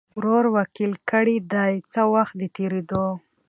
ورور وکیل کړي دی څه وخت د تېریدو